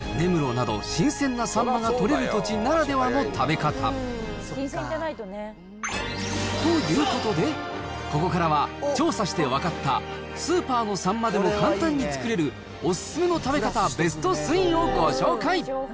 しかし、刺身は根室など、新鮮なサンマが取れる土地ならではの食べ方。ということで、ここからは調査して分かった、スーパーのサンマでも簡単に作れるお勧めの食べ方ベスト３をご紹介。